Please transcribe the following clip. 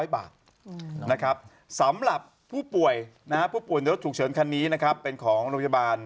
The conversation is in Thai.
บาทนะครับสำหรับผู้ป่วยนะปั่นรถถูกเฉินคันนี้นะครับเป็นของโรยบาล